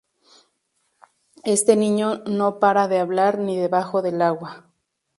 Este niño no para de hablar ni debajo del agua